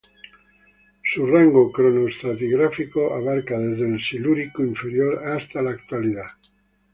Su rango cronoestratigráfico abarca desde el Silúrico inferior hasta la Actualidad.